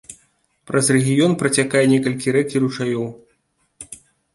Праз рэгіён працякае некалькі рэк і ручаёў.